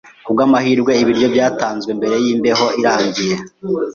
Kubwamahirwe, ibiryo byatanzwe mbere yimbeho irangiye.